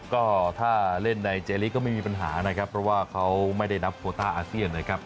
ก็ถ้าเล่นในเจลีกก็ไม่มีปัญหานะครับเพราะว่าเขาไม่ได้นับโคต้าอาเซียนนะครับ